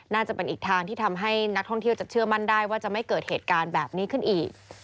น่าจะเป็นอีกทางที่ทำให้นักท่องเที่ยวจะเชื่อมั่นได้ว่าจะไม่เกิดเหตุการณ์แบบนี้ขึ้นอีก